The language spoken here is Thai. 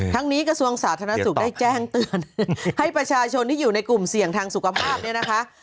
ทั้งนี้กระทรวงสาธารณสุขได้แจ้งเตือนให้ประชาชนที่อยู่ในกลุ่มเสี่ยงทางสุขภาพเนี่ยนะคะ